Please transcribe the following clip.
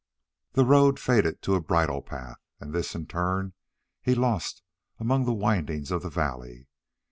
The road faded to a bridle path, and this in turn he lost among the windings of the valley.